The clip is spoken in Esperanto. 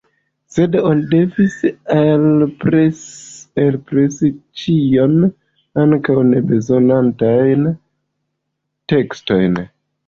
Sed oni devis elpresi ĉion, ankaŭ nebezonatajn tekstojn.